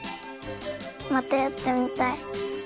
またやってみたい。